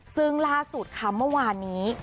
ซึ่งล่าสุดค่ะเมื่อวานนี้